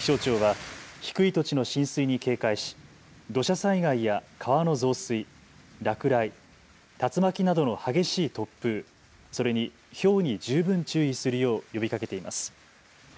気象庁は低い土地の浸水に警戒し土砂災害や川の増水、落雷、竜巻などの激しい突風、それにひょうに十分注意するよう呼びかけています。